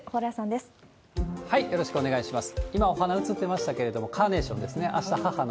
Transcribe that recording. でよろしくお願いします。